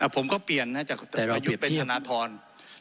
ผมก็เปลี่ยนนะจากธนธรณฑ์ยุทธเป็นธนธรณฑ์